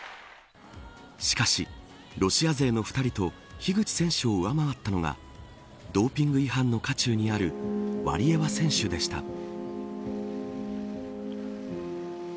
しかし、ロシア勢の２人と樋口選手を上回ったのがドーピング違反の渦中にあるワリエワ選手でした。